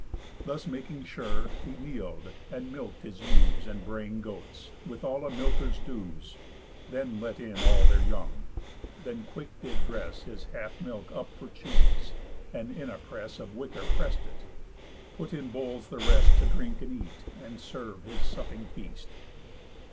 Thus making sure, he kneel'd and milk'd his ewes, And braying goats, with all a milker's dues; Then let in all their young. Then quick did dress His half milk up for cheese, and in a press Of wicker press'd it; put in bowls the rest, To drink and eat, and serve his supping feast.